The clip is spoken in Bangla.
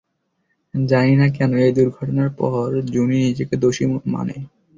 জানি না কেন, এই দূর্ঘটনার জন্য পর জুনি নিজেকে দোষী মানে।